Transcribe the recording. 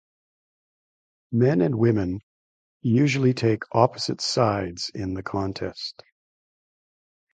Men and women usually take opposite sides in the contest.